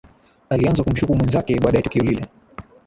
Alianza kumshuku mwenzake baada ya tukio lile